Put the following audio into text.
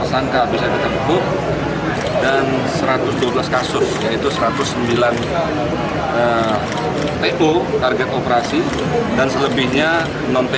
tersangka bisa ditemukan dan satu ratus dua belas kasus yaitu satu ratus sembilan to target operasi dan selebihnya